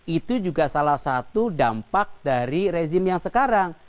itu juga salah satu dampak dari rezim yang sekarang